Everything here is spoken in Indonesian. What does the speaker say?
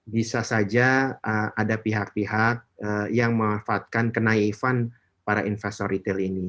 bisa saja ada pihak pihak yang memanfaatkan kenaifan para investor retail ini